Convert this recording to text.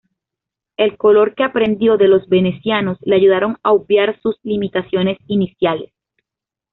El color que aprendió de los venecianos le ayudaron a obviar sus limitaciones iniciales.